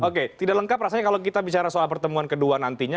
oke tidak lengkap rasanya kalau kita bicara soal pertemuan kedua nantinya